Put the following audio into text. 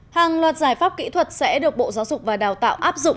hàng loạt giải pháp kỹ thuật sẽ được bộ giáo dục và đào tạo áp dụng